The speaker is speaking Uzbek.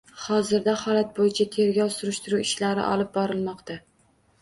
Hozirda holat bo‘yicha tergov surishtiruv ishlari olib borilmoqda